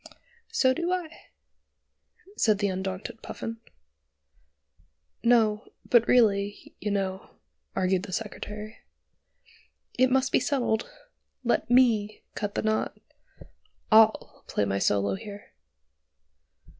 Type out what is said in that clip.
"So do I," said the undaunted Puffin. "No, but really, you know," argued the Secretary, "it must be settled: let me cut the knot. I'll play my solo here."